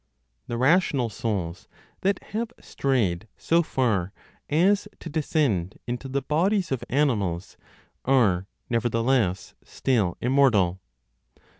The (rational) souls that have strayed so far as to descend into the bodies of animals are nevertheless still immortal.